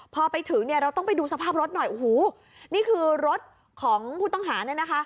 พอไปถึงเนี่ยเราต้องไปดูสภาพรถหน่อยโอ้โหนี่คือรถของผู้ต้องหาเนี่ยนะคะ